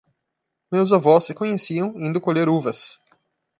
Meus avós se conheciam indo colher uvas.